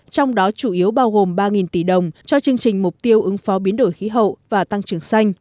trong đó chủ yếu bao gồm ba tỷ đồng cho chương trình mục tiêu ứng phó biến đổi khí hậu và tăng trưởng xanh